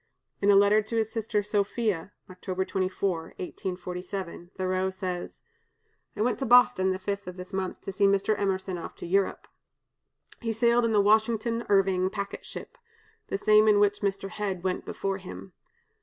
In a letter to his sister Sophia (October 24, 1847), Thoreau says: "... I went to Boston the 5th of this month to see Mr. Emerson off to Europe. He sailed in the 'Washington Irving' packet ship, the same in which Mr. Hedge went before him.